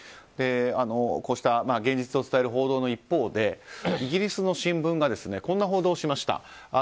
こうした現実を伝える報道の一方でイギリスの新聞がこんな報道をしました。